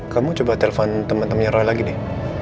kamu coba telepon temen temennya roy lagi nih